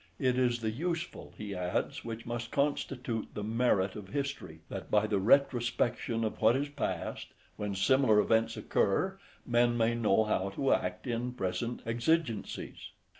It is the useful, he adds, which must constitute the merit of history, that by the retrospection of what is past, when similar events occur, men may know how to act in present exigencies.